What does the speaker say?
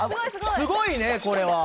すごいねこれは。